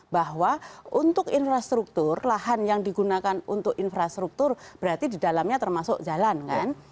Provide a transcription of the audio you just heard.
bahwa untuk infrastruktur lahan yang digunakan untuk infrastruktur berarti di dalamnya termasuk jalan kan